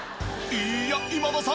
いや今田さん